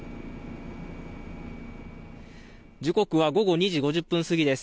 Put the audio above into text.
時刻は午後２時５０分過ぎです。